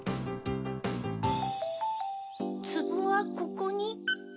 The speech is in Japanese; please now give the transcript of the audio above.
つぼはここに。